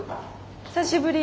久しぶり。